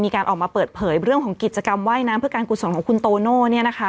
มีการออกมาเปิดเผยเรื่องของกิจกรรมว่ายน้ำเพื่อการกุศลของคุณโตโน่